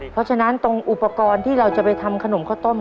เพราะฉะนั้นตรงอุปกรณ์ที่เราจะไปทำขนมข้าวต้ม